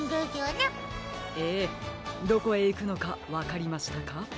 ええどこへいくのかわかりましたか？